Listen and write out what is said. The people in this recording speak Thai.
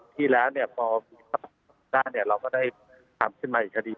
ทีแล้วพอพิทัศน์กำหนดเราก็ได้ทำขึ้นมาอีกคดี